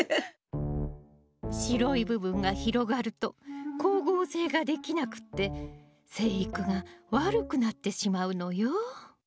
白い部分が広がると光合成ができなくって生育が悪くなってしまうのよ。